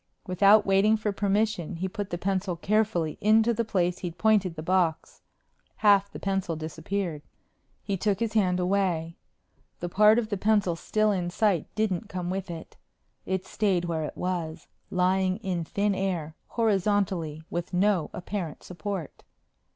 Without waiting for permission, he put the pencil carefully into the place he'd pointed the box. Half the pencil disappeared. He took his hand away. The part of the pencil still in sight didn't come with it. It stayed where it was, lying in thin air, horizontally, with no apparent support.